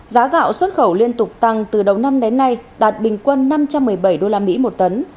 giá gạo xuất khẩu liên tục tăng từ đầu năm đến nay đạt bình quân năm trăm một mươi bảy usd một tấn